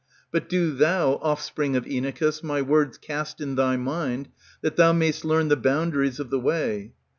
But do thou, offspring of Inachus, my words Cast in thy mind, that thou may'st learn the boundaries of the way.